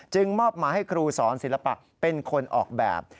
มอบมาให้ครูสอนศิลปะเป็นคนออกแบบ